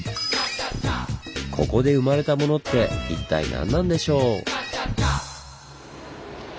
ここで生まれたものって一体何なんでしょう？